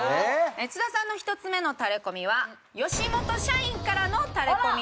津田さんの１つ目のタレコミは吉本社員からのタレコミです。